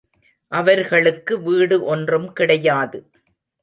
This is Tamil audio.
அவர்களுக்கு வீடு ஒன்றும் கிடையாது.